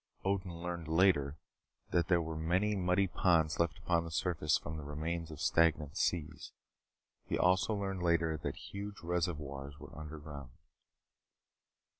Odin learned later that there were many muddy ponds left upon the surface from the remains of stagnant seas. He also learned later that huge reservoirs were underground.